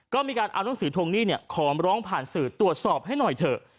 ก็มีการเอานังสือทวงหนี้ขอร้องผ่านสื่อตรวจสอบให้หน่อยเถอะ